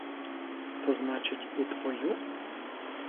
То, значить, і твою?